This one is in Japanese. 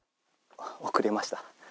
遅れました。